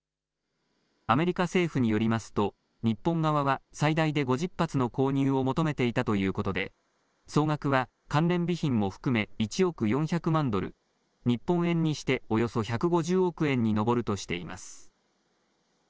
アメリカ政府によりますと日本側は最大で５０発の購入を求めていたということで総額は関連備品も含め１億４００万ドル、日本円にしておよそ１５０億円に上るとしています。